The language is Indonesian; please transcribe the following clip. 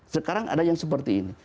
sekarang ada yang seperti ini